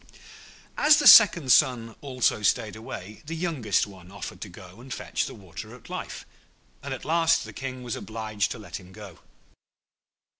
As the second son also stayed away, the youngest one offered to go and fetch the Water of Life, and at last the King was obliged to let him go.